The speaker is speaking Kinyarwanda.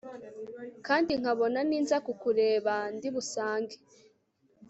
kandi nkabona ninza kukureba ndibusange